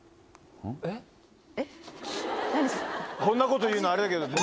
こんなこと言うのあれだけど。